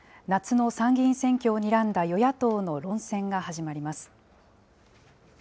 夏の参議院選挙をにらんだ与野党の論戦が始まります。